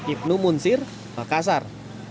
ibnu munsir makassar